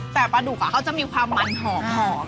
แต่ปลาดุกเขาจะมีความมันหอม